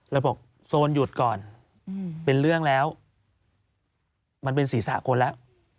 แล้วบอกโซนหยุดก่อนเป็นเรื่องแล้วมันเป็นศีรษะคนแล้ว